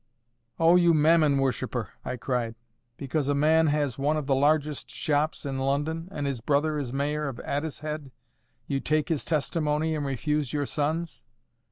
"Oh you mammon worshipper!" I cried. "Because a man has one of the largest shops in London, and his brother is Mayor of Addicehead, you take his testimony and refuse your son's!